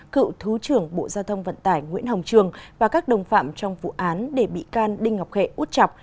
cựu thứ trưởng bộ giao thông vận tải nguyễn hồng trường và các đồng phạm trong vụ án để bị can đinh ngọc hệ út chọc